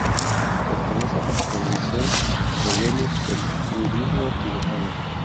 Pertenece a la tradición Gelug del budismo tibetano.